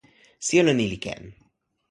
sijelo ni li ken.